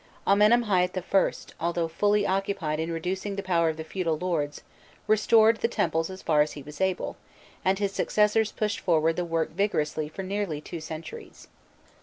Amenemhâît I., although fully occupied in reducing the power of the feudal lords, restored; the temples as far as he was able, and his successors pushed forward the work vigorously for nearly two centuries.